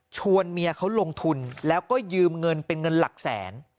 เมียเขาลงทุนแล้วก็ยืมเงินเป็นเงินหลักแสน